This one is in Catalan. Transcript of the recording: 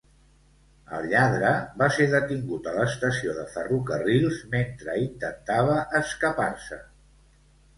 El lladre va ser detingut a l'estació de Ferrocarrils mentre intentava escapar-se.